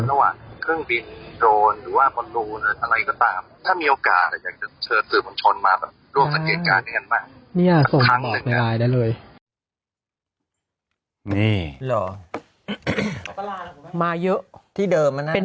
ระหว่างเครื่องบินโดรนทรีพรู่หรืออะไรติดตาม